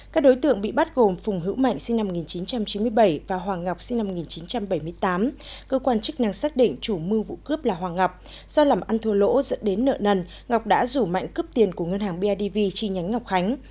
các đối tượng bị bắt gồm phùng hữu mạnh sinh năm một nghìn chín trăm chín mươi bảy và hoàng ngọc sinh năm một nghìn chín trăm bảy mươi tám cơ quan chức năng xác định chủ mưu vụ cướp là hoàng ngọc do lầm ăn thua lỗ dẫn đến nợ nần ngọc đã rủ mạnh cướp tiền của ngân hàng bidv chi nhánh ngọc khánh